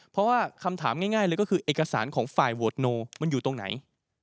เพราะว่าคำถามง่ายง่ายเลยก็คือเอกสารของมันอยู่ตรงไหน